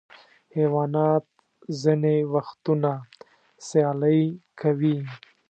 حیوانات ځینې وختونه سیالۍ کوي.